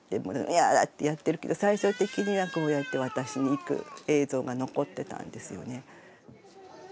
やだってやってるけど最終的にはこうやって渡しにいく映像が残ってたんですよね。